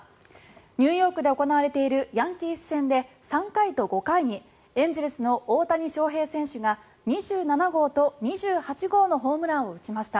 ニューヨークで行われているヤンキース戦で３回と５回にエンゼルスの大谷翔平選手が２７号と２８号のホームランを打ちました。